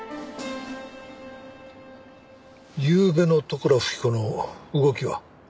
ゆうべの利倉富貴子の動きは？